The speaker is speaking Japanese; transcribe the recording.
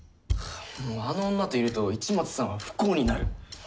もうあの女といると市松さんは不幸になる。